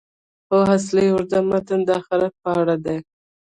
خو اصلي اوږد متن د آخرت په اړه دی.